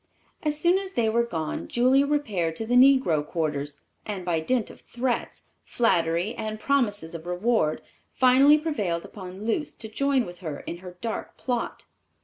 As soon as they were gone Julia repaired to the negro quarters and, by dint of threats, flattery and promises of reward, finally prevailed upon Luce to join with her in her dark plot.